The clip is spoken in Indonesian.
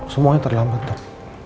semuanya terlambat dok